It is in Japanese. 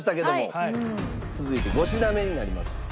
続いて５品目になります。